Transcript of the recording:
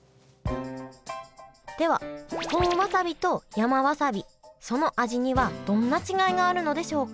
では本わさびと山わさびその味にはどんな違いがあるのでしょうか？